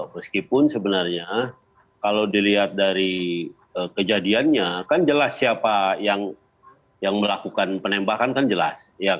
meskipun sebenarnya kalau dilihat dari kejadiannya kan jelas siapa yang melakukan penembakan kan jelas